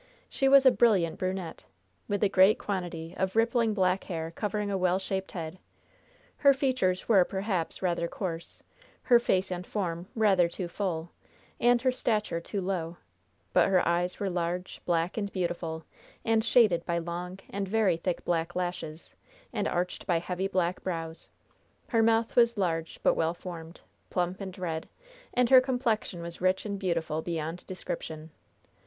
She was a brilliant brunette, with a great quantity of rippling black hair covering a well shaped head. Her features were, perhaps, rather coarse, her face and form rather too full, and her stature too low, but her eyes were large, black and beautiful, and shaded by long and very thick black lashes, and arched by heavy black brows; her mouth was large but well formed, plump and red, and her complexion was rich and beautiful beyond description.